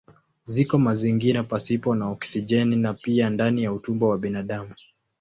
Ziko mazingira pasipo na oksijeni na pia ndani ya utumbo wa binadamu.